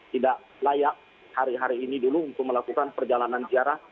tidak layak hari hari ini dulu untuk melakukan perjalanan ziarah